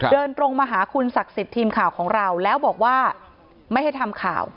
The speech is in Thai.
เดินตรงมาหาคุณศักดิ์สิทธิ์ทีมข่าวของเราแล้วบอกว่าไม่ให้ทำข่าว